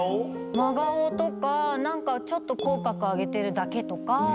真顔とかちょっと口角上げてるだけとか。